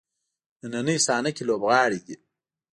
نننۍ صحنه کې لوبغاړی دی.